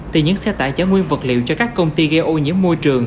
thì những xe tải trả nguyên vật liệu cho các công ty gây ô nhiễm môi trường